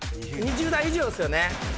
２０代以上ですよね。